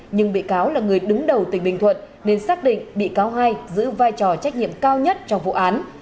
nhưng bị cáo là người đứng đầu tỉnh bình thuận nên xác định bị cáo hai giữ vai trò trách nhiệm cao nhất trong vụ án